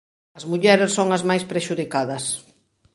As mulleres son as máis prexudicadas.